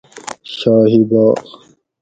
شاہی باغ